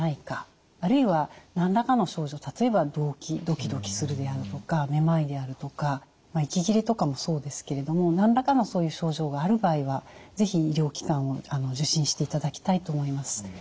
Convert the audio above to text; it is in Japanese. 例えば動悸ドキドキするであるとかめまいであるとか息切れとかもそうですけれども何らかのそういう症状がある場合は是非医療機関を受診していただきたいと思います。